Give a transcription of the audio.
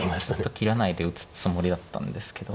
切らないで打つつもりだったんですけど。